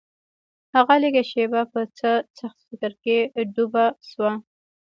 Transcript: هغه لږه شېبه په څه سخت فکر کې ډوبه شوه.